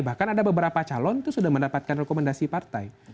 bahkan ada beberapa calon itu sudah mendapatkan rekomendasi partai